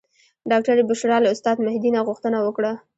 ډاکټرې بشرا له استاد مهدي نه غوښتنه وکړه.